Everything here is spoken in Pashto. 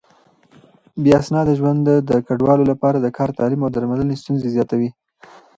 بې اسناده ژوند د کډوالو لپاره د کار، تعليم او درملنې ستونزې زياتوي.